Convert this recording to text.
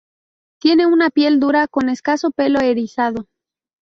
Tiene una piel dura con escaso pelo erizado.